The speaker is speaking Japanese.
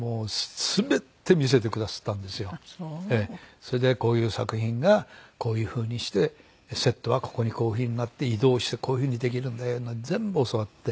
それでこういう作品がこういう風にしてセットはここにこういう風になって移動してこういう風にできるんだよ全部教わって。